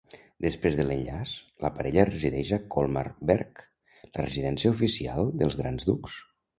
Després de l'enllaç, la parella resideix a Colmar-Berg, la residència oficial dels Grans Ducs.